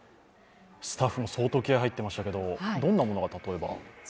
スタッフも相当気合いが入っていましたけど、どんなものが例えば？